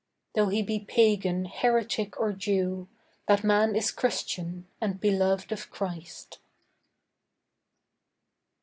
Though he be pagan, heretic or Jew, That man is Christian and beloved of Christ.